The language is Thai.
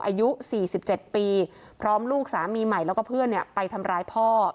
อายุ๔๗ปีพร้อมลูกสามีใหม่แล้วก็เพื่อนไปทำร้ายพ่อ